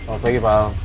oh pagi pak